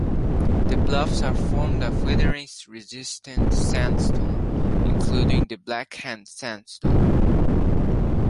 The bluffs are formed of weathering-resistant sandstone, including the blackhand sandstone.